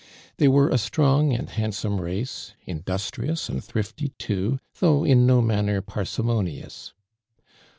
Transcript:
They were a strong and handsome race, industrious and thrifty too, though in no manner parsimonious.